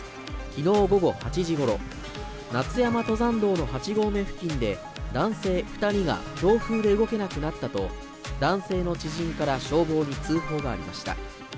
きのう午後８時ごろ、夏山登山道の８合目付近で、男性２人が強風で動けなくなったと、男性の知人から消防に通報がありました。